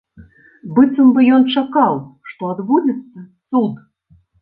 Быццам бы ён чакаў, што адбудзецца цуд.